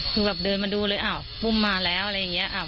คือแบบเดินมาดูเลยอ้าวปุ้มมาแล้วอะไรอย่างนี้